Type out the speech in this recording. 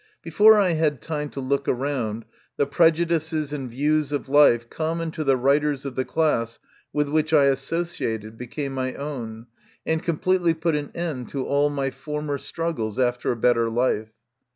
Before I had time to look around, the prejudices and views of life common to the writers of the class with which I associated became my own, and completely put an end to all my former struggles after a better life.